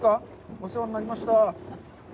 お世話になりました。